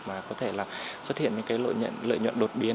mà có thể là xuất hiện những cái lợi nhuận đột biến